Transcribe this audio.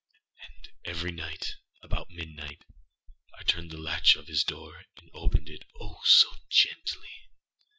And every night, about midnight, I turned the latch of his door and opened itâoh, so gently!